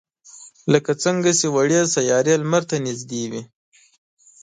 لکه څنگه چې وړې سیارې لمر ته نږدې وي.